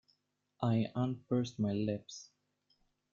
I unpursed my lips.